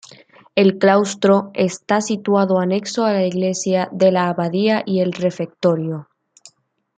El claustro está situado anexo a la iglesia de la abadía y el refectorio.